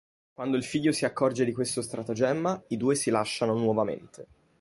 Quando il figlio si accorge di questo stratagemma i due si lasciano nuovamente.